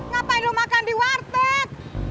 ngapain lo makan di warteg